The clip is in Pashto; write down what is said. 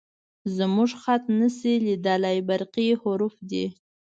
_زموږ خط نه شې لېدلی، برقي حروف دي